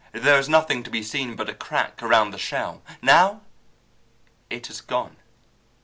There is nothing to be seen but a crack around the shell! Now it has gone!